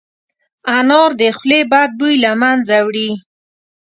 انار د خولې بد بوی له منځه وړي.